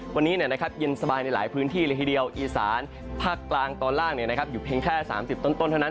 วันนี้เย็นสบายในหลายพื้นที่เลยทีเดียวอีสานภาคกลางตอนล่างอยู่เพียงแค่๓๐ต้นเท่านั้น